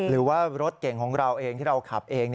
หรือว่ารถเก่งของเราเองที่เราขับเอง